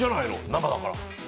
生だから。